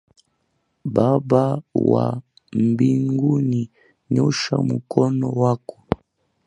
Baba wa mbinguni nyosha mkono wako.